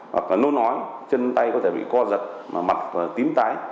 hoặc là nôn ói chân tay có thể bị co giật mà mặt tím tái